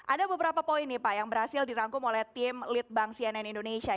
ada beberapa poin nih pak yang berhasil dirangkum oleh tim lead bank cnn indonesia